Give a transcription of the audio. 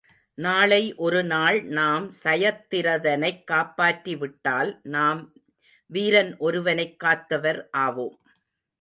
நாளை ஒரு நாள் நாம் சயத்திரதனைக் காப்பாற்றி விட்டால் நாம் வீரன் ஒருவனைக் காத்தவர் ஆவோம்.